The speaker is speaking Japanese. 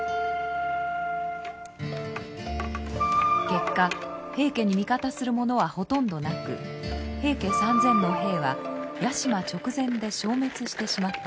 結果平家に味方する者はほとんどなく平家３，０００の兵は屋島直前で消滅してしまったのです。